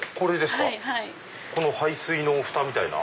この排水のふたみたいな。